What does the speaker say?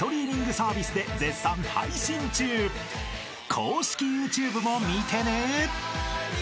［公式ＹｏｕＴｕｂｅも見てね］